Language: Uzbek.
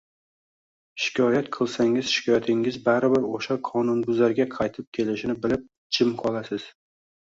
shikoyat qilsangiz shikoyatingiz baribir o‘sha qonunbuzarga qaytib kelishini bilib, jim qolasiz.